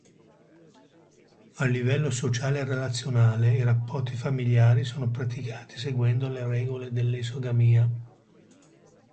A livello sociale-relazionale i rapporti familiari sono praticati seguendo le regole dell'esogamia.